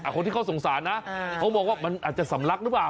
คนที่เขาสงสารนะเขามองว่ามันอาจจะสำลักหรือเปล่า